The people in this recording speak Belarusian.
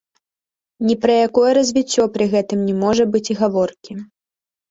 Ні пра якое развіццё пры гэтым не можа быць і гаворкі.